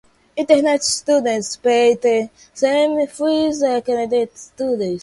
International students pay the same fees as Canadian students.